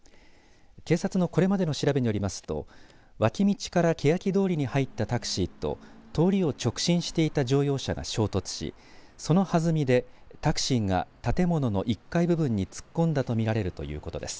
警察のこれまでの調べによりますと脇道からけやき通りに入ったタクシーと通りを直進していた乗用車が衝突しその弾みで、タクシーが建物の１階部分に突っ込んだと見られるということです。